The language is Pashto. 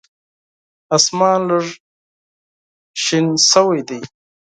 اسمان لږ شین شوی دی .